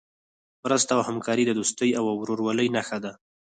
مرسته او همکاري د دوستۍ او ورورولۍ نښه ده.